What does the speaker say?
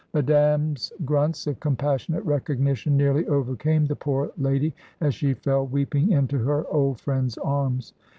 Madame's grunts of compassionate recognition nearly overcame the poor lady as she fell weeping into her old friend's arms.